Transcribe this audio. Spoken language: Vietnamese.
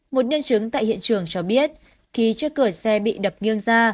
một nhân chứng tại hiện trường cho biết khi trước cửa xe bị đập nghiêng ra